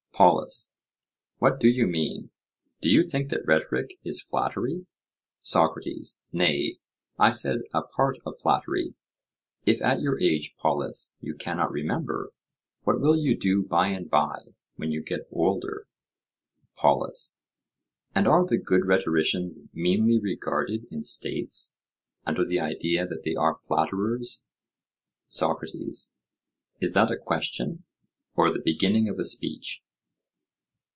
POLUS: What do you mean? do you think that rhetoric is flattery? SOCRATES: Nay, I said a part of flattery; if at your age, Polus, you cannot remember, what will you do by and by, when you get older? POLUS: And are the good rhetoricians meanly regarded in states, under the idea that they are flatterers? SOCRATES: Is that a question or the beginning of a speech?